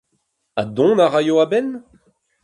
Ha dont a raio a-benn ?